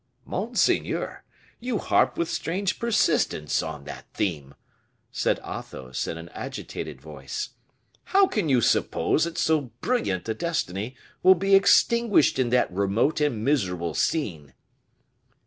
"Monseigneur, you harp with strange persistence on that theme," said Athos, in an agitated voice. "How can you suppose that so brilliant a destiny will be extinguished in that remote and miserable scene?"